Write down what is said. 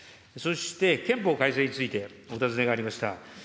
そして、憲法改正についてお尋ねがありました。